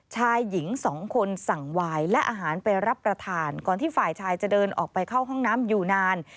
ชายหญิงสองคนสั่งวายและอาหารไปรับประทานก่อนที่ฝ่ายชายจะเดินออกไปเข้าห้องน้ำอยู่นาน